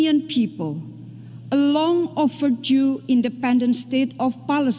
sebuah negara yang terhutang dan berdiri di sana